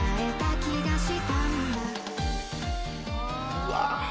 うわ